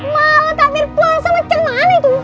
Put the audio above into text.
mau takbir puasa macam mana itu